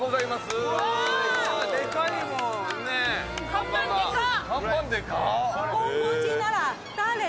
看板、でかっ。